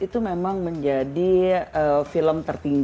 iya sebenarnya yang jadi masalah adalah film horror ini